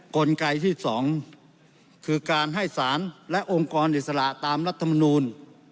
กลไกที่๒คือการให้สารและองค์กรอิสระตามรัฐมนูล